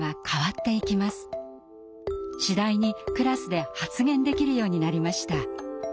次第にクラスで発言できるようになりました。